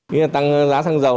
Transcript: nếu tăng giá xăng dầu